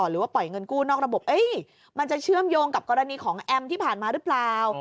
หรือว่าปล่อยเงินกู้นอกระบบมันจะเชื่อมโยงกับกรณีของแอมที่ผ่านมาหรือเปล่า